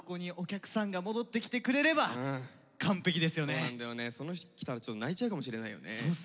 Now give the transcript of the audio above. そうなんだよねその日きたらちょっと泣いちゃうかもしれないよね。